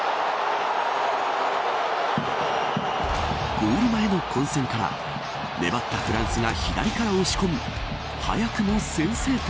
ゴール前の混戦から粘ったフランスが左から押し込み早くも先制点。